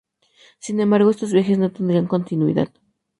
Sin embargo, estos viajes no tendrían continuidad.